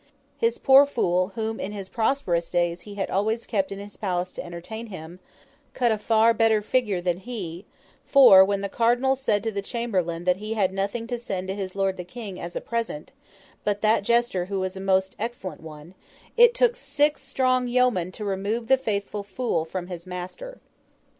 His poor Fool, whom in his prosperous days he had always kept in his palace to entertain him, cut a far better figure than he; for, when the Cardinal said to the chamberlain that he had nothing to send to his lord the King as a present, but that jester who was a most excellent one, it took six strong yeomen to remove the faithful fool from his master.